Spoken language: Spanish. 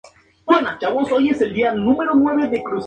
Cruza gran parte de la comarca de la Terra Alta.